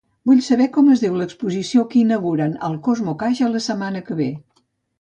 Vull saber com es diu l'exposició que inauguren al CosmoCaixa la setmana que ve.